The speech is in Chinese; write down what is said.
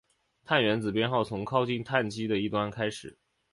碳原子编号从靠近羰基的一端开始。